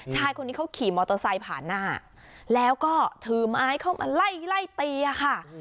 ชายคนนี้เขาขี่มอเตอร์ไซค์ผ่านหน้าแล้วก็ถือไม้เข้ามาไล่ไล่ตีอะค่ะ